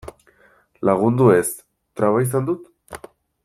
Lagundu ez, traba izan dut?